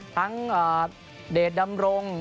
ทั้งเดดดำรง